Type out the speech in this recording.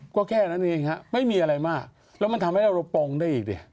ก็แค่นั้นเองฮะไม่มีอะไรมากแล้วมันทำให้เราปองได้อีกดิ